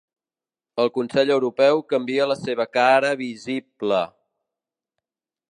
El Consell Europeu canvia la seva cara visible